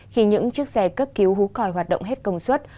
khi những chiếc xe cấp cứu hú còi hoạt động hết công suất